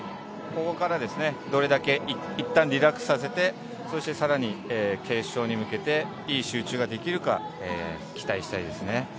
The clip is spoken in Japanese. ここからどれだけいったんリラックスさせて更に決勝に向けていい集中ができるか期待したいですね。